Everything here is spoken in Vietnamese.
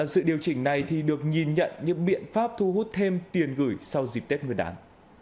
sự điều chỉnh này thì được nhìn nhận như biện pháp thu hút thêm tiền gửi sau dịp tết người đán